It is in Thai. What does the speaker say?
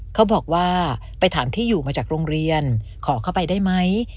เขาบอกว่าไปถามที่อยู่มาจากโรงเรียนขอเข้าไปได้ไหม